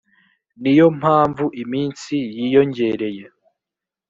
ni yo mpamvu iminsi yiyongereye